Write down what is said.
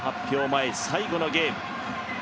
前最後のゲーム。